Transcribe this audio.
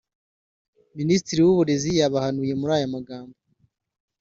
Minisitiri w’uburezi yabahanuye muri aya magambo